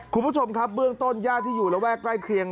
คุณผู้ชมครับเบื้องต้นญาติที่อยู่ระแวกใกล้เคียง